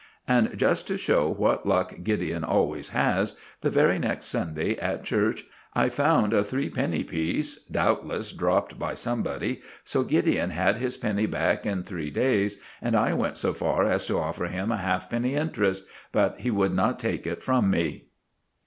And just to show what luck Gideon always has, the very next Sunday, at church, I found a three penny piece, doubtless dropped by somebody, so Gideon had his penny back in three days, and I went so far as to offer him a halfpenny interest, but he would not take it from me.